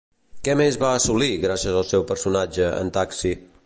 Què més va assolir gràcies al seu personatge en Taxi?